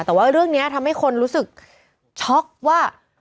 แต่ว่าเรื่องนี้ทำให้คนรู้สึกช็อกว่า